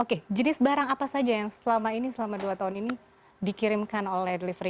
oke jenis barang apa saja yang selama ini selama dua tahun ini dikirimkan oleh delivery